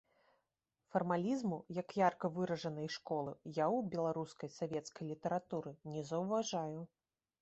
Фармалізму, як ярка выражанай школы, я ў беларускай савецкай літаратуры не заўважаю.